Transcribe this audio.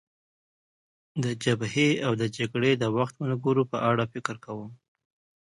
د جبهې او د جګړې د وخت ملګرو په اړه فکر کوم.